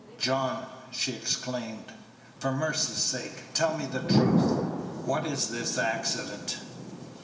"John," she exclaimed, "for mercy's sake, tell me the truth! What is this accident?"